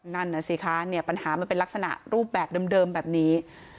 นั่นน่ะสิคะเนี่ยปัญหามันเป็นลักษณะรูปแบบเดิมแบบนี้